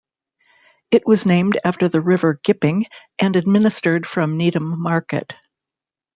It was named after the River Gipping and administered from Needham Market.